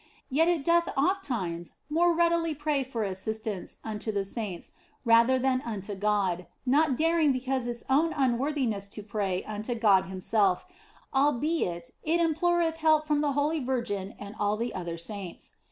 Yet it doth ofttimes more readily pray for assistance unto the saints rather than unto God, not daring because of its unworthiness to pray unto God Himself, albeit it imploreth help from the Holy Virgin and all the other saints.